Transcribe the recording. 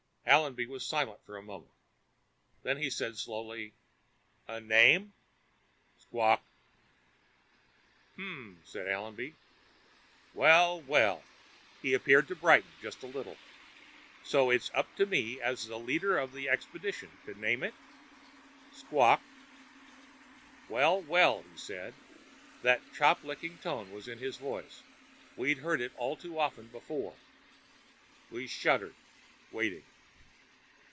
_ Allenby was silent for a moment. Then he said slowly, "A name?" Squawk. "H'm," said Allenby. "Well, well." He appeared to brighten just a little. "So it's up to me, as leader of the expedition, to name it?" Squawk. "Well, well," he said. That chop licking tone was in his voice. We'd heard it all too often before. We shuddered, waiting.